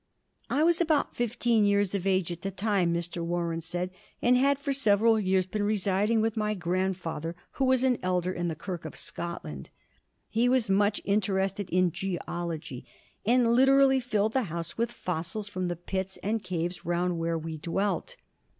"I was about fifteen years of age at the time," Mr. Warren said, "and had for several years been residing with my grandfather, who was an elder in the Kirk of Scotland. He was much interested in geology, and literally filled the house with fossils from the pits and caves round where we dwelt.